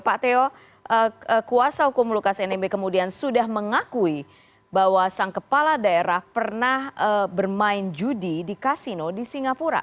pak teo kuasa hukum lukas nmb kemudian sudah mengakui bahwa sang kepala daerah pernah bermain judi di kasino di singapura